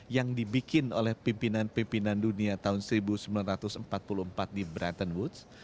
yang dibikin oleh pimpinan pimpinan dunia tahun seribu sembilan ratus empat puluh empat di bratton woods